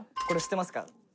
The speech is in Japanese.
「これ知ってますか？」